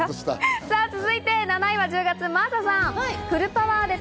続いて、７位は１０月、真麻さん。